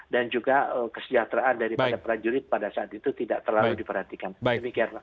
dan juga kesejahteraan dari para jurid pada saat itu tidak terlalu diperhatikan